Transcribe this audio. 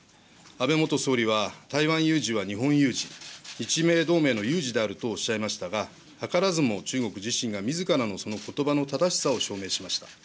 安倍元総理は、台湾有事は日本有事、日米同盟の有事であるとおっしゃいましたが、図らずも中国自身がみずからのそのことばの正しさを証明しました。